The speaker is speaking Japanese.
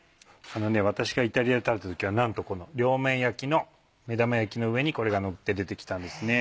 私がイタリアで食べた時はなんと両面焼きの目玉焼きの上にこれがのって出て来たんですね。